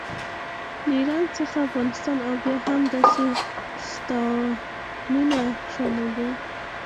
له ایران څخه افغانستان او بیا همداسې ستانونه شامل دي.